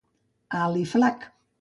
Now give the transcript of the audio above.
Alt i flac.